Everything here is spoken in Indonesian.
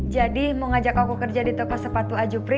jadi mau ngajak aku kerja di toko sepatu a jupri